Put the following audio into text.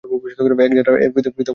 এক যাত্রায় পৃথক ফল হবে কেন?